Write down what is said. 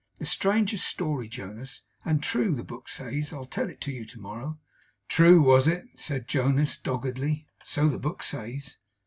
The strangest story, Jonas! And true, the book says. I'll tell it you to morrow.' 'True, was it?' said Jonas, doggedly. 'So the book says.